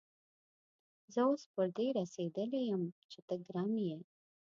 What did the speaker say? زه اوس پر دې رسېدلی يم چې ته ګرم يې.